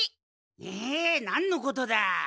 えっなんのことだ？